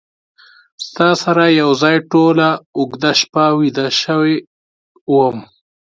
ستا سره یو ځای ټوله اوږده شپه ویده شوی وم